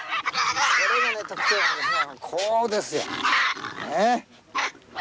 これが特徴なんですね。